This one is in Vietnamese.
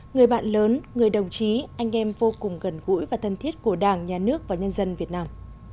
người bạn lớn người đồng chí anh em vô cùng gần gũi và thân thiết của đảng nhà nước và nhân dân việt nam